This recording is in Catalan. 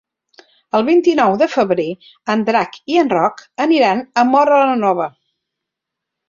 El vint-i-nou de febrer en Drac i en Roc aniran a Móra la Nova.